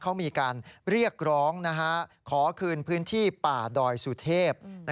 เขามีการเรียกร้องขอคืนพื้นที่ป่าดอยสุเทพ